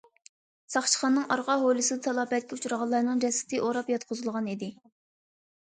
ساقچىخانىنىڭ ئارقا ھويلىسىدا تالاپەتكە ئۇچرىغانلارنىڭ جەسىتى ئوراپ ياتقۇزۇلغان ئىدى.